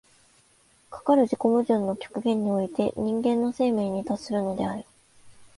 かかる自己矛盾の極限において人間の生命に達するのである。